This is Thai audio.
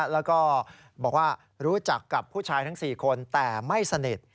แล้วก็บอกว่ารู้จักกับผู้ชายทั้ง๔คนแต่ไม่สนิท